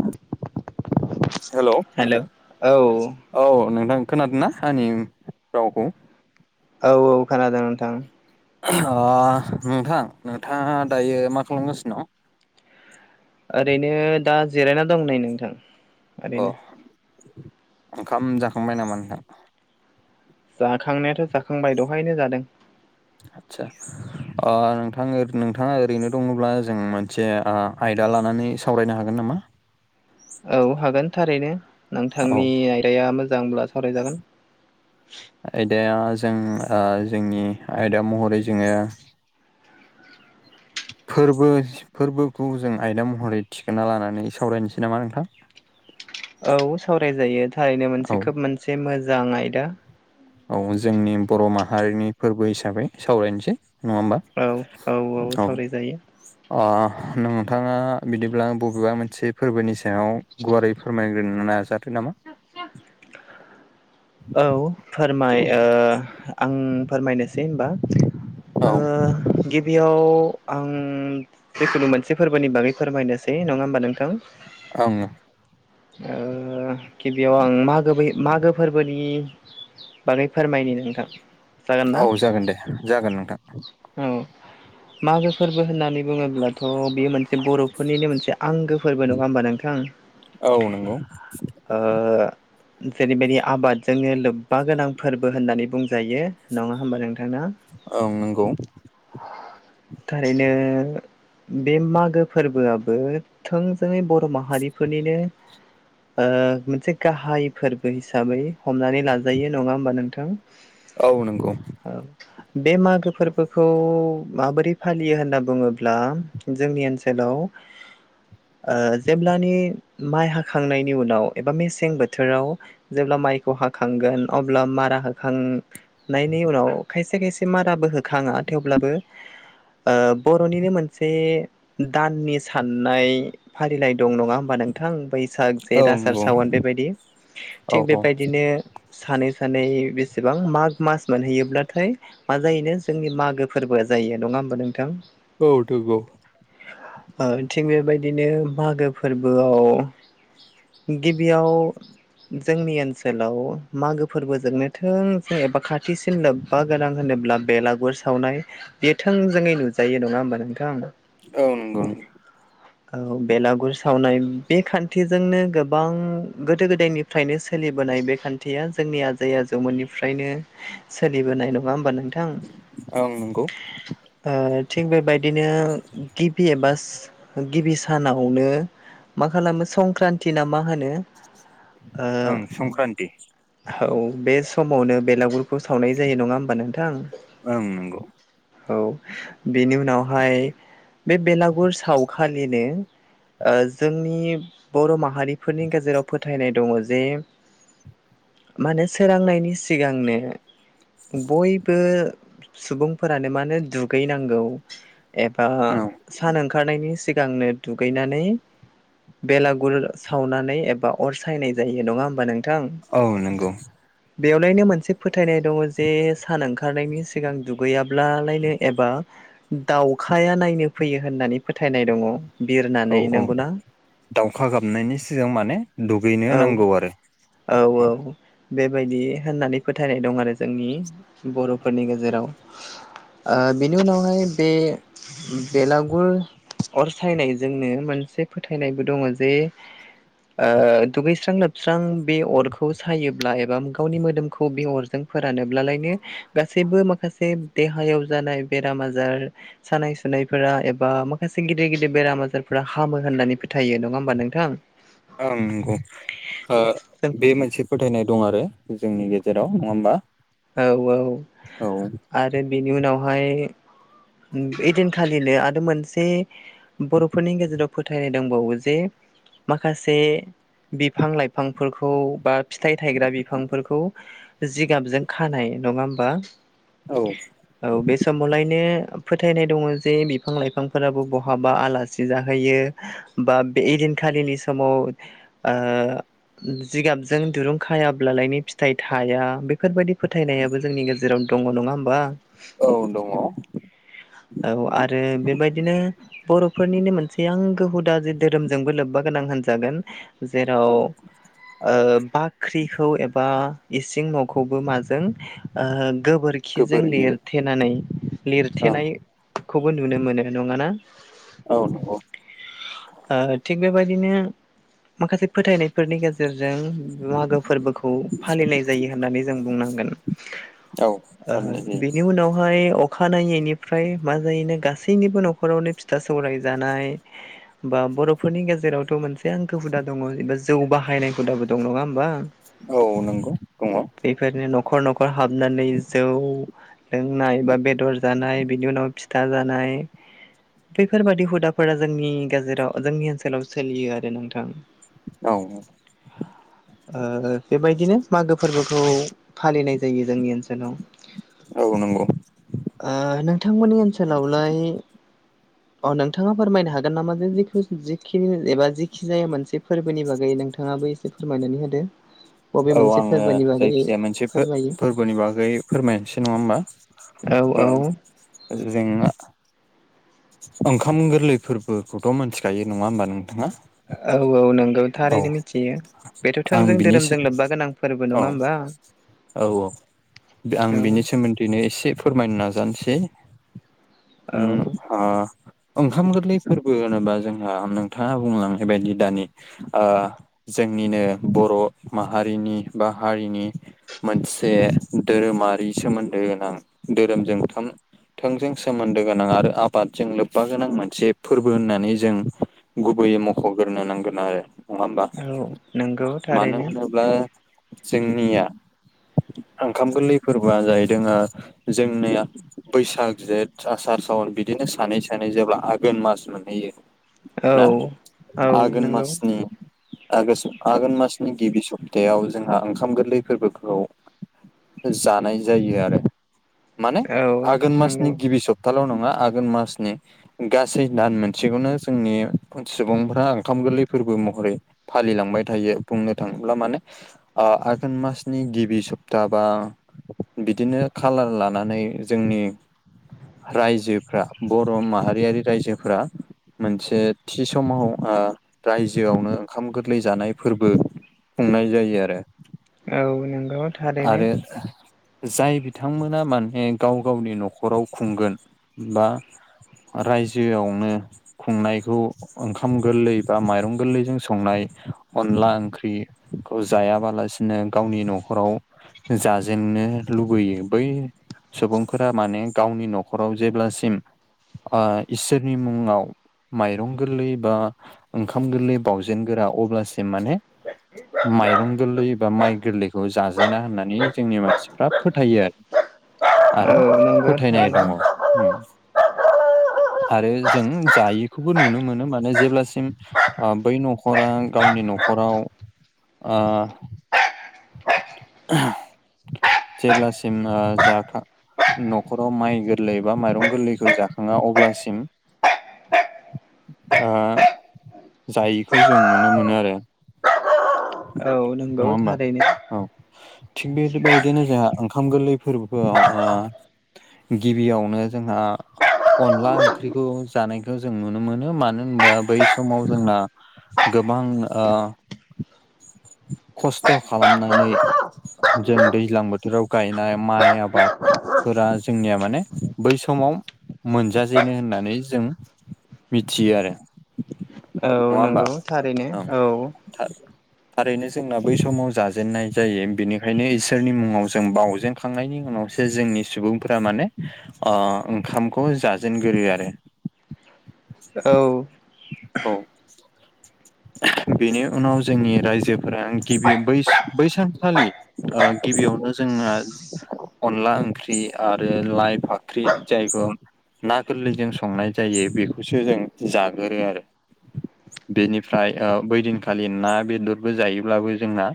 आ हेल' औ। औ नोंथां खोनादों ना आंनि रावखौ? औ औ खोनादों नोंथां। ओ नोंथां, नोंथाङा दायो मा खालामगासिनो दं? ओरैनो दा जिरायना दं नै नोंथां अ ओरैनो। ओंखाम जाखांबाय नामा नोंथाङा? जाखांनायाथ' जाखांबाय दहायनो जादों। आतसा! ओ नोंथां, नोंथाङा ओरैनो दङब्ला जों मोनसे आयदा लानानै सावरायनो हागोन नामा? औ हागोन थारैनो, औ नोंथांनि आयदाया मोजांब्ला सावरायजागोन। आयदाया जों ओ जोंनि आयदा महरै जोङो फोरबो फोरबोखौ जों आयदा महरै थिखोना लानानै सावरायनोसै नामा नोंथां? औ सावरायजायो थारैनो औ मोनसे खोब मोनसे मोजां आयदा। औ जोंनि बर' माहारिनि फोरबो हिसाबै सावरायनोसै नङा होमबा? औ औ औ सावरायजायो। ओ नोंथाङा बिदिब्ला बबेबा मोनसे फोरबोनि सायाव गुवारै फोरमायग्रोनो नाजा। [unintelligible] नामा औ। फोरमाय ओ आं फोरमायनोसै होमबा। ओ गिबि बेयाव आं जिखुनु मोनसे फोरबोनि बागै फोरमायनोसै, नङा होमबा नोंथां? ओं। ओ गिबियाव आं मागो मागो फोरबोनि बागै फोरमायनि नोंथां। जागोन ना? औ जागोन दे जागोन नोंथां। औ मागो फोरबो होननानै बुङोब्लाथ' बियो मोनसे बर'फोरनिनो मोनसे आंगो फोरबो नङा होमबा नोंथां? औ नंगौ। ओ जेरैबायदि आबादजोंनो लोब्बा गोनां फोरबो होननानै बुंजायो नङा होमबा नोंथां ना? ओं नंगौ। थारैनो बे मागो फोरबोआबो थोंजोङै बर' माहारिफोरनिनो ओ मोनसे गाहाय फोरबो हिसाबै हमनानै लाजायो नङा होमबा नोंथां? औ नंगौ। औ। बे मागो फोरबो खौ माबोरै फालियो होनना बुङोब्ला जोंनि ओनसोलाव ओ जेब्लानि माइ हाखांनायनि उनाव एबा मेसें बोथोराव जेब्ला माइखौ हाखांगोन अब्ला मारा होखां नायनि उनाव खायसे खायसे माराबो होखाङा थेवब्लाबो ओ बर'निनो मोनसे दाननि साननाय फारिलाइ दं नङा होमबा नों थां बैसाग औ जेत आसार सावन बेबायदि थिग बेबायदिनो सानै सानै बेसेबां माग मास मोनहैयोब्लाथाय मा जायोनो जोंनि माग गो फोरबोआ जायो नङा होमबा नोंथां? औ द ग। ओ थिग बेबायदिनो मागो फोरबोआव गिबियाव जोंनि ओनसोलाव मागो फोरबोजोंनो थोंजों एबा खाथिसिन लोब बा गोनां होनोब्ला बेलागुर सावनाय बे थोंजोङै नुजायो नङा होमबा नोंथां? औ नंगौ। औ बेलागुर सावनाय बे खान्थिजोंनो गोबां गोदो गोदायनि फ्रायनो सोलिबोनाय बे खान्थिया जोंनि आजै आजौमोननिफ्रायनो सोलिबोनाय नङा होमबा नों नोंथां? ओं नंगौ। ओ थिग बेबायदिनो गिबि एबास गिबि सानावनो मा खालामो संक्रान्ति ना मा होनो ओ ओं संक्रान्ति औ बे समावनो बेलागुरखौ सावनाय जायो नङा होमबा नोंथां? ओं नंगौ। औ बेनि उनावहाय बे बेलाग गुर सावखालिनो ओ जोंनि बर' मा माहारिफोरनि गेजेराव फोथायनाय दङ जे माने सोरांनायनि सिगांनो बयबो सुबुंफोरानो मानो दुगैनांगौ एबा औ सान ओंखारनायनि सिगांनो दुगैनानै बेलागुर सावनानै एबा अर सायनाय जायो नङा होमबा नोंथां? औ नंगौ। बेयावलायनो मोनसे फोथायनाय दङ जे सान ओंखारनायनि सिगां दुगैयाब्लालायनो एबा दाउखाया नायनो फैयो होननानै फोथायनाय दङ। औ बिरनानै औ नंगौना दाउखा गाबनायनि सिगां माने दुगैनो औ नांगौ आरो। औ औ बेबायदि होननानै फोथायनाय दं आरो जोंनि बर'फोरनि गेजेराव ओ बिनि उनावहाय बे बेलागुर अरसायनायजोंनो मोनसे फोथायनायबो दङ जे ओ दुगैस्रां लोबस्रां बे अरखौ सायोब्ला एबा गावनि मोदोमखौ बे अरजों फोरानोब्लालायनो गासैबो माखासे देहायाव जानाय बेराम आजार सानाय सुनायफोरा एबा माखासे गिदिर गिदिर बेराम आजारफोरा हामो होननानै फोथायो नङा होमबा नोंथां? ओं नंगौ ओ जों बे मोनसे फोथायनाय दं आरो जोंनि गे जेराव नङा होमबा? औ औ औ आरो बेनि उनावहाय ओइदिनखालिनो आरो मोनसे बर'फोरनि गेजेराव फोथायनाय दंबावो जे माखासे बिफां लाइफांफोरखौ बा फिथाइ थायग्रा बिफांफोरखौ जि गाबजों। खानाय नङा होमबा। औ औ बे समावलायनो फोथायनाय दङ जे बिफां-लाइफांफोराबो बहाबा आला सि जाहैयो बा बे इदिनखालिनि समाव ओ जिगाबजों दिरुं खायाब्लालायनि फिथाइ थाया बेफोरबायदि फोथायनायाबो जोंनि गेजेराव दङ नङा होमबा औ दङ। औ आरो बेबायदिनो बर'फोरनिनो मोनसे आंगो हुदा जे धोरोमजोंबो लोब्बा गोनां होनजागोन। जेराव ओ बाख्रिखौ एबा इसिं न'खौबो माजों ओ गोबोर खिजों गोबोरखि लिरथेनानै ओं लिरथेनायखौबो नुनो मोनो नङा ना। औ नोंगौ ओ थिग बेबायदिनो माखासे फोथायनाय फोरनि गेजेरजों मागो फोरबोखौ फालिनाय जायो होननानै जों बुंनांगोन। [inaudible] ओ फालिनाय जायो। बेनि उनावहाय अखा नायैनायनि फ्राय मा जायैनो गासैनिबो न'खरावनो फिथा सौराय जानाय बा बर'फोरनि गेजेरावथ' मोनसे आंखो हुदा दङ एबा जौ बाहायनाय हुदाबो दं नङा होमबा औ नंगौ दङ। बेफोरनो न'खर न'खर हाबनानै जौ लोंनाय बा बेदर जानाय। बिनि उनाव फिथा जानाय। बेैफोरबादि हुदाफोरा जोंनि गेजेराव जोंनि ओनसोलाव सोलियो आरो नोंथां। औ। ओ बेबायदिनो मागो फोरबोखौ फालिनाय जायो जोंनि ओनसो लाव औ नंगौ ओनोंथांमोननि ओनसोलावलाय [inaudible] अ नोंथाङा फोरमायनो हागोन नामा जे जिखिनि एबा जिखि जाया मोनसे फोरबोनि बागै नोंथाङा बै एसे फोरमायनानै होदो। बबे औ मोनसे आङो फोरबोनि बागै जायखिजाया मोनसे फोरमायो फो-फोरबोनि बागै फोरमायनोसै नङा होमबा। औ औ जेंना ओंखाम गोरलै फोरबोखौथ' मोनथिखायो नङा होमबा नोंथाङा। औ औ नोंगौ औ थारैनो मिथियो। बेथ' आं थोंजों बिनिसो धोरोमजों लोब्बा गोनां फोरबो औ नङा होमबा। औ औ आं औ बिनि सोमोन्दैनो एसे फोरमायनो नाजानोसै। उम औ। ओ ओंखाम गोरलै फोरबो होनोबा जोंहा नोंथाङा बुंलांनाय बायदि दानि ओ जोंनिनो बर' माहारिनि बा हारिनि मोनसे धोरोमारि सोमोन्दो गोनां धोरोमजों थाम थोंजों सोमोन्दो गोनां आरो आ आबादजों लोब्बा गोनां मोनसे फोरबो होननानै जों गुबैयै मख'ग्रोनो नांगोन आरो नङा हबा औ नंगौ मानो थारैनो होनोब्ला जोंनिया ओंखाम गोरलै फोरबोआ जाहैदों जोंनिया बैसाग जेठ आसार सावर बिदिनो सानै सानै जेब्ला आघोन मास मोनहैयो। औ ना औ आघोन नंगौ मासनि आगोष्ट आघोन मासनि गिबि सप्तायाव जोंहा ओंखाम गोरलै फोर्बोखौ जानाय जायो आरो माने औ आघोन नंगौ मासनि गिबि सप्ताल' नङा आ घोन मासनि गासै दान मोनसेखौनो जोंनि सुबुंफोरा ओंखाम गोरलै फोरबो महरै फालिलांबाय थायो बुंनो थाङोब्ला माने ओ आघोन मासनि गिबि सप्ता बा बिदिनो खालार लानानै जोंनि रायजो फ्रा बर' माहारियारि रायजोफोरा मोनसे थि समाव ओ रायजोआवनो ओंखाम गोरलै जानाय फोर्बो खुंनाय जायो आरो। औ नंगौ। थारैनो आरो जाय बिथांमोना माने गाव गावनि न'खराव खुंगोन बा रायजोआवनो खुंनायखौ ओंखाम गोरलै बा माइरं गोरलैजों संनाय अनला ओंख्रि खौ जायाबालासिनो गावनि न'खराव जाजेननो लुबैयो बै सुबुंफोरा माने गावनि न'खराव जेब्लासिम ओ इसोरनि मुङाव माइरं गोरलै बा ओंखाम गोरलै बाउजेन गोरा अब्लासिम माने माइरं गोरलै एबा माइ गोरलैखौ जा जेना होननानै जोंनि मानसिफ्रा फोथायो आरो आरो औ नंगौ फोथायनाय थारैनो दङ। उम आरो जों जायैखौबो नुनो मोनो माने जेब्लासिम ओ बै न'खरा गावनि न'खराव ओ जेब्लासिम ओ जाथार न'खराव माइ गोरलै बा माइरं गोरलैखौ जाखाङा अब्लासिम ओ जायिखौ जों नुनो मोनो आरो। औ नङा नंगौ होनबा? थारैनो औ थिग बेबायदिनो जोंहा ओंखाम गोरलै फोर्बोआव ओ गिबियावनो जोंहा अनला ओंख्रिखौ जानायखौ जों नुनो मोनो मानो होनबा बै समाव जोंना गोबां ओ खस्थ' खालामनानै जों दैज्लां बोथोराव गायनाय माइ आबाद फोरा जोंनिया माने बै समाव मोनजाजेनो होननानै जों मिथियो आरो। औ। नङा होमबा नंगौ थारैनो औ था थारैनो जोंना बै समाव जाजेननाय जायो बेनिखायनो इसोरनि मुङाव जों बावजेन खांनायनि उनावसो जोंनि सुबुंफोरा माने ओ ओंखामखौ जाजेनगोरो आरो। औ [inaudible] औ बेनि उनाव जोंनि रायजोफोरा गिबि बै बै सानखालि ओ गिबियावनो जोंना अनला ओंख्रि आरो लाइ फाख्रि जायग ना गोरलैजों संनाय जायो बेखौसो जों जागोरो आरो बेनिफ्राय ओ बैदिनखालि ना बेदरबो जायोब्लाबो जोंना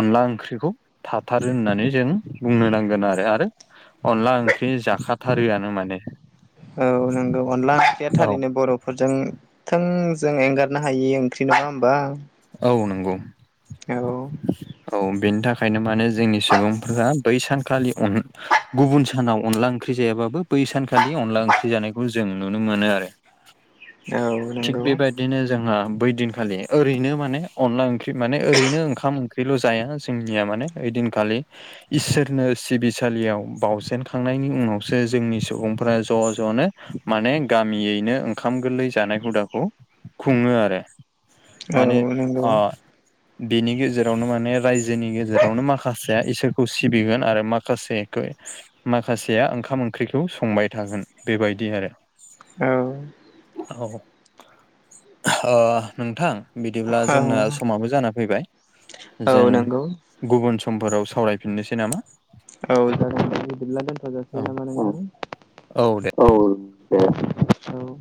अनला ओंख्रिखौ थाथारो होननानै जों बुंनो नांगोन आरो आरो अनला ओंख्रि जाखाथारोआनो माने। औ नंगौ अनदला ओंख्रिया औ थारैनो बर' फोरजों थोंजों एंगारनो हायि ओंख्रि नङा होमबा। औ नंगौ औ औ बेनि थाखायनो माने जोंनि सुबुंफोरा बै सानखालि अन गुबुन सानाव अनला ओंख्रि जायाबाबो बै सानखालि अनला ओंख्रि जानायखौ जों नुनो मोनो आरो। औ थिग नंगौ बेबादिनो जोङो बै दिनखालि ओरै नो माने अनला ओंख्रि माने ओरैनो ओंखाम ओंख्रिल' जाया जोंनिया माने ओइदिनखालि इसोरनो सिबिसालियाव बावजेनखांनायनि उनावसो जोंनि सुबुंफोरा ज' जनो माने गामियैनो ओंखाम गोरलै जानाय हुदाखौ खुङो आरो। औ माने नंगौ अ बेनि गेजेरावनो माने रायजोनि गेजेरावनो माखासेया इसोरखौ सिबिगोन आरो माखासेखो माखासेया ओंखाम ओंख्रिखौ संबाय थागोन बेबायदि आरो औ औ अ नोंथां बिदिब्ला औ जोंना समाबो जाना फैबाय औ जों नंगौ गुबुन समफोराव सावरायफिननोसै नामा औ जागोन। बिदिब्ला दोनथ' औ जासिगोन नामा औ दे। नोंथां औ दे औ